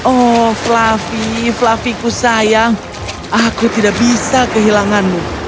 oh fluffy fluffiku sayang aku tidak bisa kehilanganmu